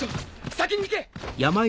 先に行け！